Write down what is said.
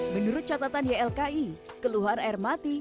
menurut catatan ylki keluhan air mati